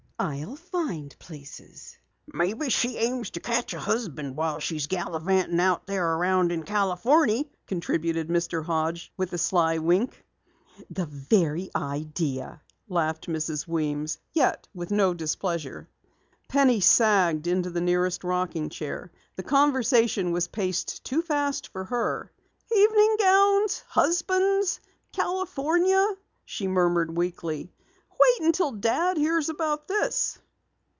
"I'll find places." "Maybe she aims to catch a husband while she's galavantin' around out there in Californy," contributed Mr. Hodges with a sly wink. "The very idea!" laughed Mrs. Weems, yet with no displeasure. Penny sagged into the nearest rocking chair. The conversation was paced too fast for her. "Evening gowns husbands California," she murmured weakly. "Wait until Dad hears about this."